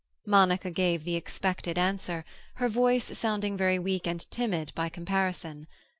Monica gave the expected answer, her voice sounding very weak and timid by comparison.